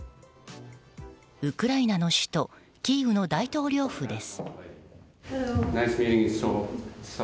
ウクライナの首都キーウの大統領府です。